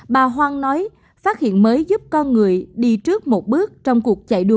bà hoang nói phát hiện mới giúp con người đi trước một bước trong cuộc chạy đua